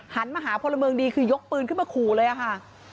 มาหาพลเมืองดีคือยกปืนขึ้นมาขู่เลยค่ะ